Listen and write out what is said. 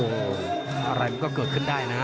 โอ้วอะไรมันก็เกิดขึ้นได้นะฮะ